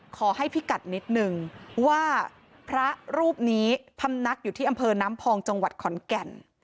ขอให้พิกัดนิดนึงว่าพระรูปนี้พำนักอยู่ที่อำเภอน้ำพองจังหวัดขอนแก่น